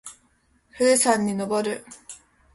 富士山にのぼる。